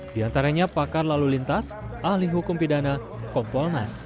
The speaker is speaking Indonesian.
di antaranya pakar lalu lintas ahli hukum pidana kompolnas